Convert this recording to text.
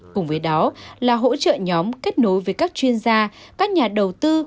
cùng với đó là hỗ trợ nhóm kết nối với các chuyên gia các nhà đầu tư